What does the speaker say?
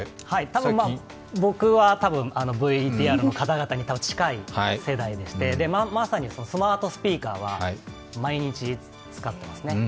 多分僕はＶＴＲの方々に近い世代でして、まさにスマートスピーカーは毎日使ってますね。